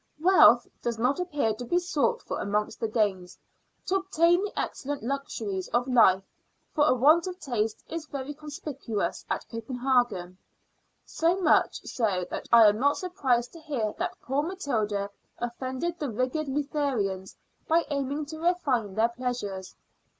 Wealth does not appear to be sought for amongst the Danes, to obtain the excellent luxuries of life, for a want of taste is very conspicuous at Copenhagen; so much so that I am not surprised to hear that poor Matilda offended the rigid Lutherans by aiming to refine their pleasures.